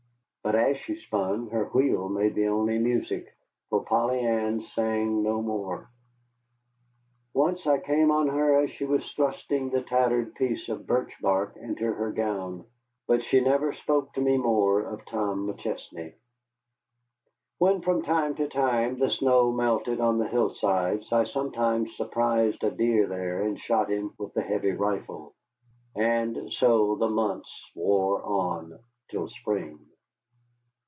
But as she spun, her wheel made the only music for Polly Ann sang no more. Once I came on her as she was thrusting the tattered piece of birch bark into her gown, but she never spoke to me more of Tom McChesney. When, from time to time, the snow melted on the hillsides, I sometimes surprised a deer there and shot him with the heavy rifle. And so the months wore on till spring.